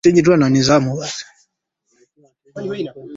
lakini wanawake wanakuwa katika hatari kubwa ya kupata nini saratani ya matiti